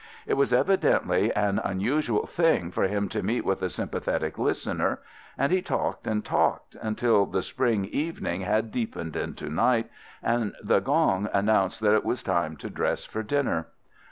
It was evidently an unusual thing for him to meet with a sympathetic listener, and he talked and talked until the spring evening had deepened into night, and the gong announced that it was time to dress for dinner.